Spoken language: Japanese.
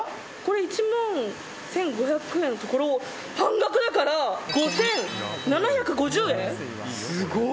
１万１５００円のところを半額だから５７５０円。